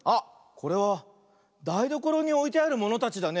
これはだいどころにおいてあるものたちだね。